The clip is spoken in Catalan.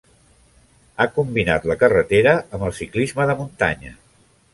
Ha combinat la carretera amb el ciclisme de muntanya.